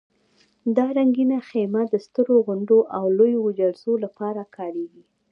دا رنګینه خیمه د سترو غونډو او لویو جلسو لپاره کارېږي.